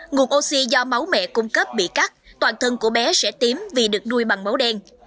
nguồn oxy do máu mẹ cung cấp bị cắt toàn thân của bé sẽ tím vì được nuôi bằng máu đen